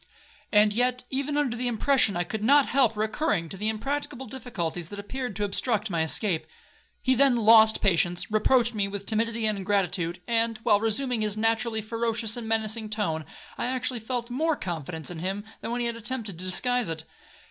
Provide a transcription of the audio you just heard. And yet, even under the impression, I could not help recurring to the impracticable difficulties that appeared to obstruct my escape. He then lost patience,—reproached me with timidity and ingratitude; and, while resuming his naturally ferocious and menacing tone, I actually felt more confidence in him than when he had attempted to disguise it.